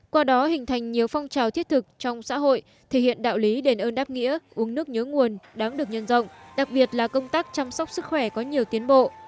qua đó hình thành nhiều phong trào thiết thực trong xã hội thể hiện đạo lý đền ơn đáp nghĩa uống nước nhớ nguồn đáng được nhân rộng đặc biệt là công tác chăm sóc sức khỏe có nhiều tiến bộ